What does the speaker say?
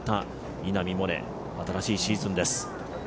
稲見萌寧、新しいシーズンです。